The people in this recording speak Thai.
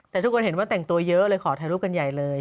แต่ทุกคนเห็นว่าแต่งตัวเยอะเลยขอถ่ายรูปกันใหญ่เลย